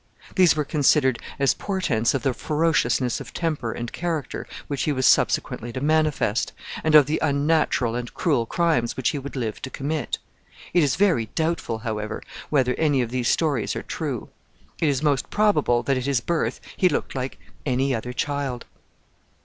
These were considered as portents of the ferociousness of temper and character which he was subsequently to manifest, and of the unnatural and cruel crimes which he would live to commit. It is very doubtful, however, whether any of these stories are true. It is most probable that at his birth he looked like any other child.